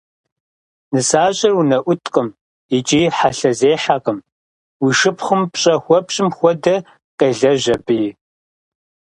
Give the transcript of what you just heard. Нысащӏэр унэӏуткъым, икӏи хьэлъэзехьэкъым, уи шыпхъум пщӏэ хуэпщӏым хуэдэ къелэжь абыи.